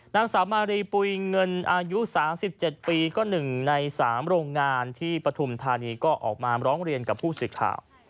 นางสาวมารีปุ๋ยเงินอายุ๓๗ปีก็๑ใน๓โรงงานที่ปฐุมธานีก็ออกมาร้องเรียนกับผู้สื่อข่าว